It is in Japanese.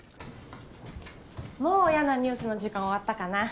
もう嫌なニュースの時間終わったかな。